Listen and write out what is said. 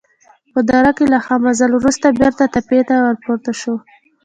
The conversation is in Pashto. په دره کې له ښه مزل وروسته بېرته تپې ته ورپورته شوو.